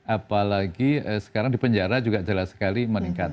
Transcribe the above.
apalagi sekarang di penjara juga jelas sekali meningkat